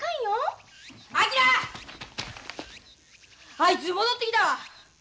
あいつ戻ってきたわ！